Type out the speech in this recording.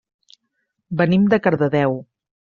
Venim de Cardedeu.